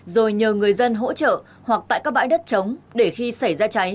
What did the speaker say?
rồi nhờ người dân hỗ trợ hoặc tại các bãi đất chống để khi xảy ra cháy